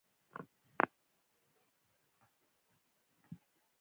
دا خوندور دی